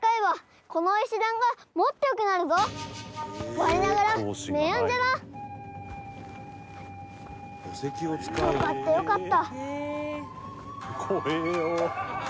よかったよかった。